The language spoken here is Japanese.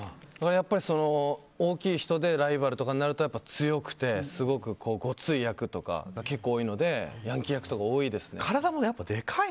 大きい人でライバルとかになると強くてごつい役とか結構、多いのでヤンキー役とか、多いですね。